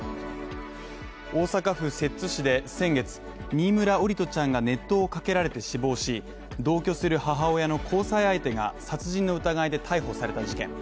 大阪府摂津市で先月、新村桜利斗ちゃんが熱湯をかけられて死亡し、同居する母親の交際相手が殺人の疑いで逮捕された事件。